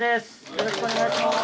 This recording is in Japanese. よろしくお願いします。